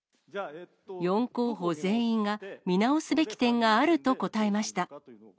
４候補全員が、見直すべき点があると答えました。